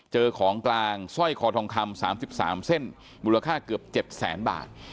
เจอของกลางสร้อยคอทองคำ๓๓เส้นมูลค่าเกือบ๗แสนบาท